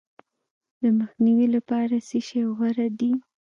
د مخنیوي لپاره څه شی غوره دي؟